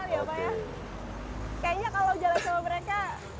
kayaknya kalau jalan sama mereka